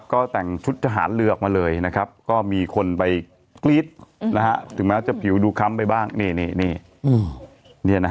ก็แต่งชุดทหารเลือกมาเลย